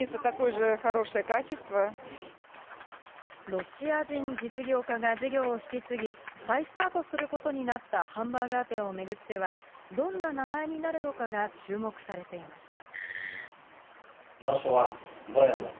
ロシア人実業家が事業を引き継ぎ、再スタートすることになったハンバーガー店を巡っては、どんな名前になるのかが注目されていました。